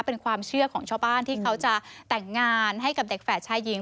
เป็นความเชื่อของชาวบ้านที่เขาจะแต่งงานให้กับเด็กแฝดชายหญิง